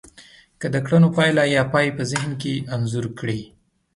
که د کړنو پايله يا پای په ذهن کې انځور کړی.